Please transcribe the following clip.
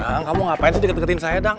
dang kamu ngapain sih deket deketin saya dang